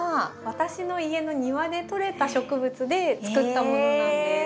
私の家の庭でとれた植物で作ったものなんです。